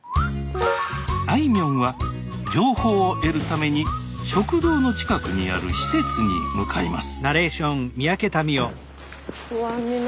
あいみょんは情報を得るために食堂の近くにある施設に向かいますえ？